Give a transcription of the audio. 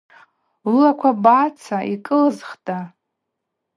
Уылаква абаца, йкӏылызхда?